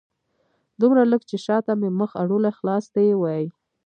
دومره لږ چې شاته مې مخ اړولی خلاص دې وای